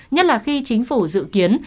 nhất là khi chính phủ dự kiến